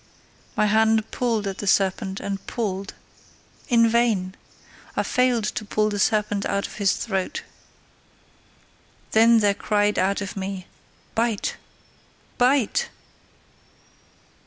My hand pulled at the serpent, and pulled: in vain! I failed to pull the serpent out of his throat. Then there cried out of me: "Bite! Bite!